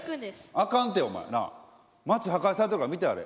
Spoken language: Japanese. あかんてお前なあ。